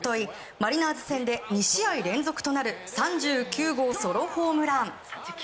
マリナーズ戦で２試合連続となる３９号ソロホームラン。